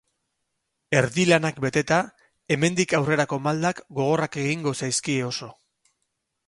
Erdi lanak beteta, hemendik aurrerako maldak gogorrak egingo zaizkie oso.